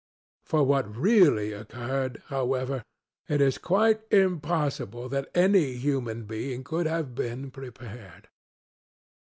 For what really occurred, however, it is quite impossible that any human being could have been prepared.